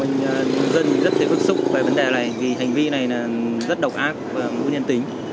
mình dân rất thấy bức xúc về vấn đề này vì hành vi này rất độc ác và ngu nhân tính